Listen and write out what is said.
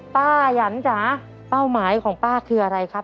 ป้ายันจ๋าเป้าหมายของป้าคืออะไรครับ